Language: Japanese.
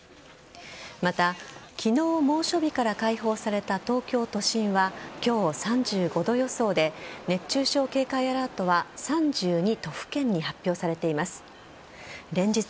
また、昨日猛暑日から解放された東京都心は今日３５度予想で熱中症警戒アラートが３２都府県に発表されています。